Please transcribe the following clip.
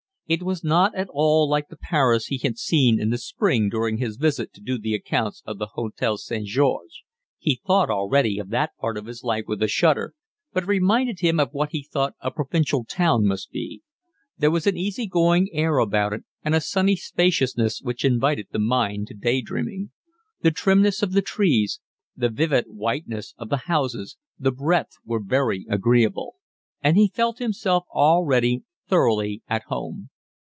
It was not at all like the Paris he had seen in the spring during his visit to do the accounts of the Hotel St. Georges—he thought already of that part of his life with a shudder—but reminded him of what he thought a provincial town must be. There was an easy going air about it, and a sunny spaciousness which invited the mind to day dreaming. The trimness of the trees, the vivid whiteness of the houses, the breadth, were very agreeable; and he felt himself already thoroughly at home.